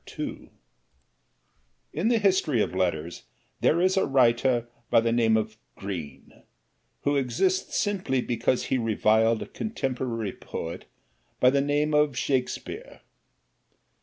In the history of letters there is a writer by the name of Green, who exists simply because he reviled a contemporary poet by the name of Shakespeare.